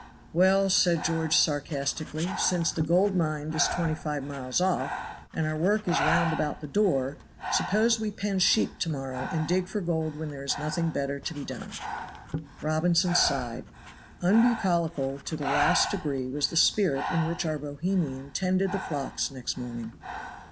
"Well," said George sarcastically, "since the gold mine is twenty five miles off, and our work is round about the door, suppose we pen sheep to morrow and dig for gold when there is nothing better to be done." Robinson sighed. Unbucolical to the last degree was the spirit in which our Bohemian tended the flocks next morning.